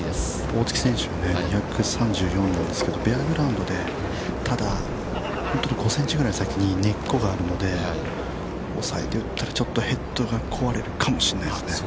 ◆大槻選手、２３４ですけど、フェアグラウンドで、５センチぐらい先に根っこがあるので、抑えて打ったらちょっとヘッドが壊れるかもしれないですね。